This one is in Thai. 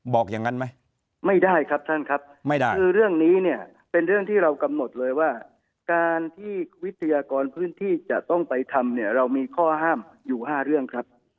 บอกอย่างนั้นไหมไม่ได้ครับท่านครับไม่ได้คือเรื่องนี้เนี่ยเป็นเรื่องที่เรากำหนดเลยว่าการที่วิทยากรพื้นที่จะต้องไปทำเนี่ยเรามีข้อห้ามอยู่๕เรื่องครับ